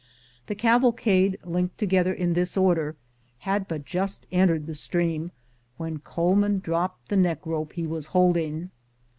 The cavalcade, linked together in this order, ad but just entered the stream when Coleman dropped the neckrope he was holding.